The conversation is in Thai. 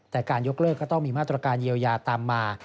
แต่การยกเลิกก็ต้องมีมาตรการเยียวยาตามมา